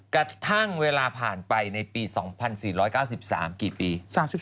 กระทั่งเวลาผ่านไปในปี๒๔๙๓กี่ปี